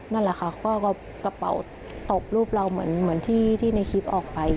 นั่นแหละค่ะก็กระเป๋าตบรูปเราเหมือนที่ในคลิปออกไป